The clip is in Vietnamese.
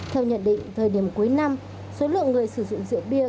theo nhận định thời điểm cuối năm số lượng người sử dụng rượu bia